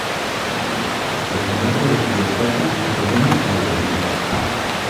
Post morto de sia frato li revenis al Olimpo.